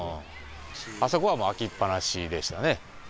あそこはもう開きっぱなしでしたね。